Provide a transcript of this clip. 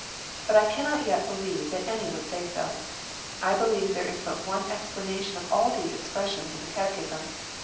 But I cannot yet believe that any one would say so. I believe there is but one explanation of all these expressions in the Catechism.